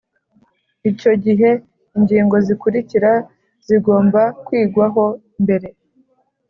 Icyo gihe ingingo zikurikira zigomba kwigwaho mbere